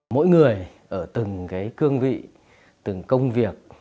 mỗi người ở từng cương vị từng công việc